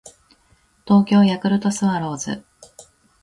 東京ヤクルトスワローズ